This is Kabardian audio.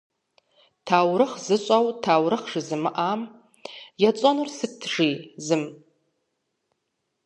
Таурыхъ зыщӏэу таурыхъ жызымыӏам етщӏэнур сыт?- жи зым.